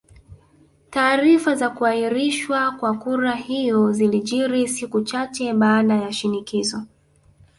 Taarifa za kuahirishwa kwa kura hiyo zilijiri siku chache baada ya shinikizo